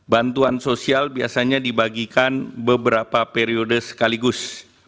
bantuan sosial biasanya dibagikan beberapa periode sekaligus